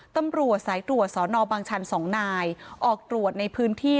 ตำรวจสายตรวจสอนอบางชัน๒นายออกตรวจในพื้นที่